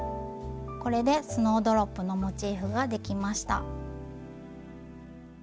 これでスノードロップのモチーフができました。